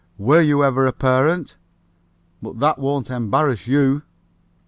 'Were You Ever a Parent?' But that won't embarrass you)."